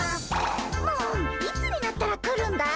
もういつになったら来るんだい？